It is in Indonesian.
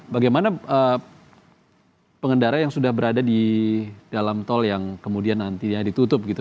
bagaimana pengendara yang sudah berada di dalam tol yang kemudian nantinya ditutup gitu